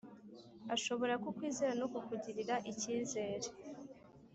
ashobora kukwizera no kukugirira icyizere.